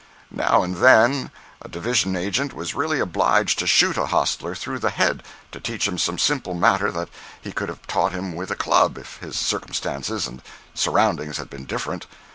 Now and then a division agent was really obliged to shoot a hostler through the head to teach him some simple matter that he could have taught him with a club if his circumstances and surroundings had been different.